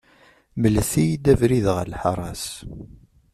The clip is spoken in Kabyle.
Mlet-iyi-d abrid ɣer lḥaṛa-s.